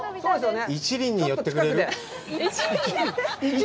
一輪に寄ってくれる？